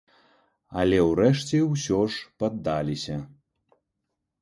Але ўрэшце ўсё ж паддаліся.